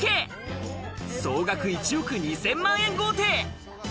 総額１億２千万円豪邸。